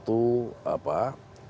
istitusi yang memiliki hal yang lebih menarik